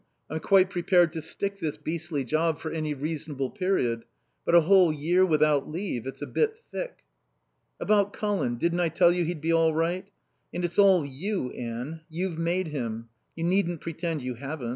I'm quite prepared to stick this beastly job for any reasonable period; but a whole year without leave, it's a bit thick..." "About Colin. Didn't I tell you he'd be all right? And it's all you, Anne. You've made him; you needn't pretend you haven't.